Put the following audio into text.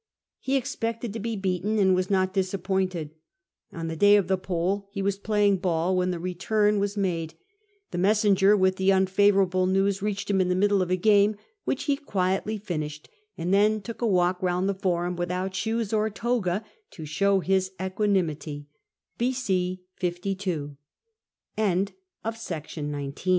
He expected to be beaten, and was not disappointed ; on the day of the poll he was playing ball when the return P 226 CATO was made. The messenger with the unfavourable news reached him in the middle of a game, which he quietly finished, and then took a walk round the Forum without shoes or toga to s